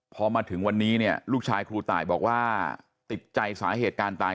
พอมาถึงวันนี้เนี่ยลูกชายครูตายบอกว่าติดใจสาเหตุการณ์ตาย